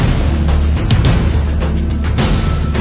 สวัสดีครับ